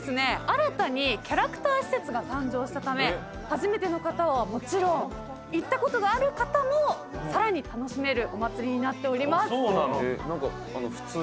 新たにキャラクター施設が誕生したため初めての方はもちろん行ったことがある方もさらに楽しめるお祭りになっております。